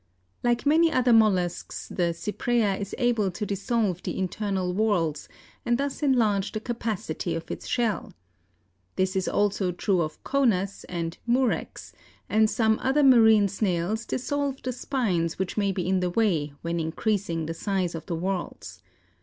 Like many other mollusks the Cypraea is able to dissolve the internal whorls and thus enlarge the capacity of its shell. This is also true of Conus, and Murex, and some other marine snails dissolve the spines which may be in the way when increasing the size of the whorls.